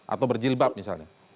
atau berjilbab misalnya